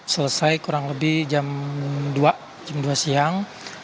selesai kurang lebih jam dua siang